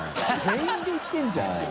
全員で行ってるじゃん。